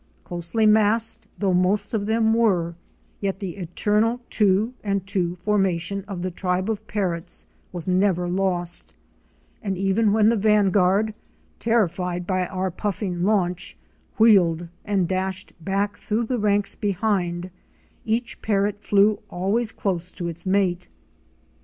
Closely massed though most of them were, yet the eternal two and two formation of the tribe of Parrots was never lost, and even when the vanguard, terrified by our puffing launch, wheeled and dashed back through the ranks behind, each Parrot flew always close to its mate.